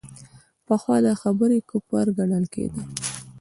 پخوا دا خبرې کفر ګڼل کېدې.